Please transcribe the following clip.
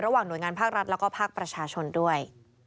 ระหว่างหน่วยงานภาครัฐและภาคประชาชนด้วย